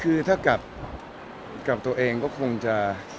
คือถ้ากลับตัวเองก็คงจะ